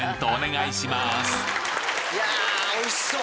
いや美味しそう。